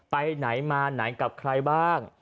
ไปไหนมาไหนกับใครบ้าง